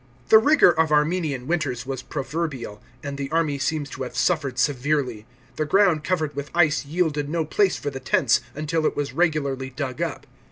The rigour of Armenian winters was proverbial,* and the army seems to have suffered severely. The ground covered with ice yielded no place for the tents, until it was regularly dug up.